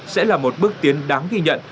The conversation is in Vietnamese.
sẽ là một bước tiến đáng ghi nhận